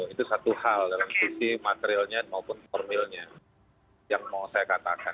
itu satu hal dalam sisi materialnya maupun formilnya yang mau saya katakan